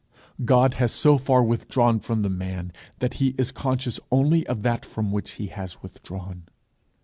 God has so far withdrawn from the man, that he is conscious only of that from which he has withdrawn.